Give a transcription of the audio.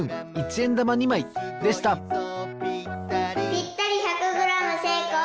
ぴったり１００グラムせいこう！